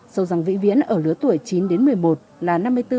sâu răng vĩnh viễn ở lứa tuổi chín đến một mươi một là năm mươi bốn sáu